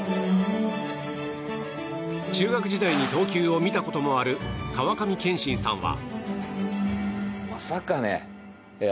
中学時代に投球を見たこともある川上憲伸さんは。